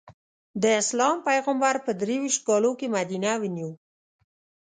د اسلام پېغمبر په درویشت کالو کې مدینه ونیو.